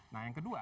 nah yang kedua